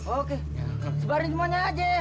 oke sebarkan semuanya aja